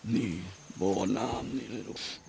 นี่บ่อนามนี่เลยลูก